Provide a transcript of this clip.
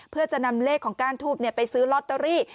เพื่อจะนำเลขของก้านทูบไปซื้อลอตเตอรี่